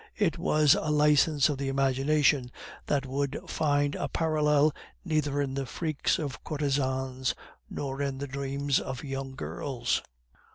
It was a license of the imagination that would find a parallel neither in the freaks of courtesans, nor in the dreams of young girls.